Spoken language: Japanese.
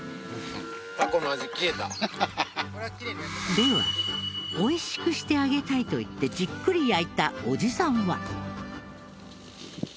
では美味しくしてあげたいといってじっくり焼いたオジサンは？